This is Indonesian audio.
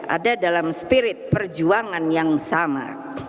ada dalam spirit perjuangan yang sama